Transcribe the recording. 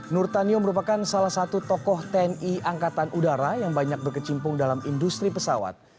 nurtanio merupakan salah satu tokoh tni angkatan udara yang banyak berkecimpung dalam industri pesawat